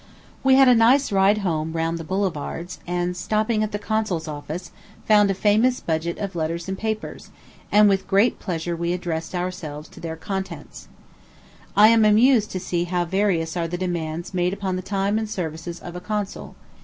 We had a nice ride home round the boulevards, and, stopping at the consul's office, found a famous budget of letters and papers, and with great pleasure we addressed ourselves to their contents. I am amused to see how various are the demands made upon the time and services of a consul.